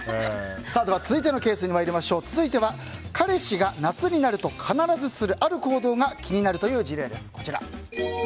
続いてのケースは彼氏が夏になると必ずするある行動が気になるという事例です。